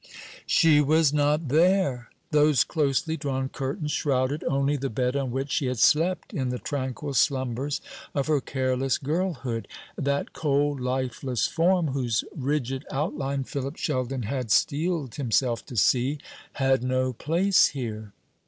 She was not there! Those closely drawn curtains shrouded only the bed on which she had slept in the tranquil slumbers of her careless girlhood. That cold lifeless form, whose rigid outline Philip Sheldon had steeled himself to see, had no place here.